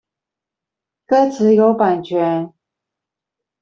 歌詞有版權